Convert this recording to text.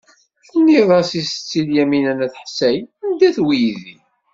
Tennid-as i Setti Lyamina n At Ḥsayen anda-t weydi.